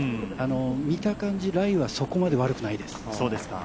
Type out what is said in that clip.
見た感じ、ライはそこまで悪くないです